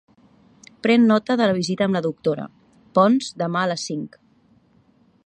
Pren nota de la visita amb la doctora Pons demà a les cinc.